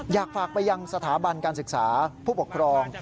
อยากฝากไปยังสถาบันการศึกษาผู้ปกครอง